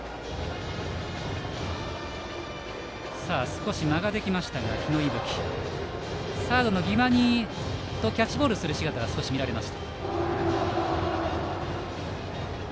少し間ができましたが、日野勇吹サードの儀間とキャッチボールする姿が見られました。